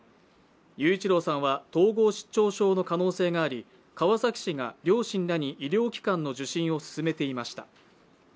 雄一郎さんは統合失調症の可能性があり、川崎市が両親らに医療機関の受診を勧めていました。